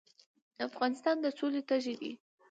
افغانستان د سولې تږی دی